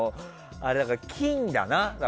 金だな。